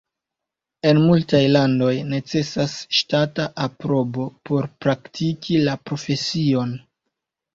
En multaj landoj necesas ŝtata aprobo por praktiki la profesion.